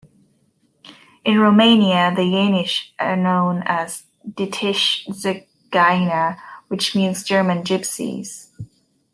In Romania the Yenish are known as 'deitsche Zigeiner' which means 'German Gypsies'.